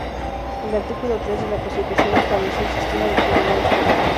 El artículo tres de la constitución estableció el sistema de tribunales federales.